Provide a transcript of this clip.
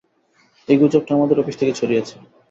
এই গুজবটা আমাদের অফিস থেকে ছড়িয়েছে।